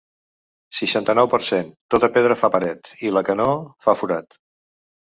Seixanta-nou per cent Tota pedra fa paret i la que no, fa forat.